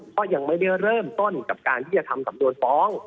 ก็ยังไม่ได้เริ่มต้นกับการที่จะทำสำนวนฟ้อง